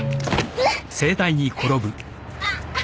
えっ？